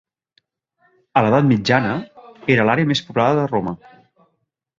A l'edat mitjana, era l'àrea més poblada de Roma.